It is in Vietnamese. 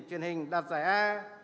truyền hình đạt giải a